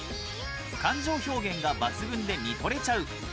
感情表現が抜群で見とれちゃう。